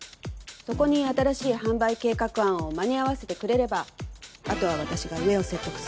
そこに新しい販売計画案を間に合わせてくれればあとは私が上を説得する。